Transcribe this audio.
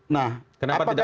nah apakah ini tumpang tindih